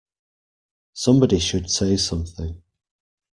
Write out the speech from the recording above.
Somebody should say something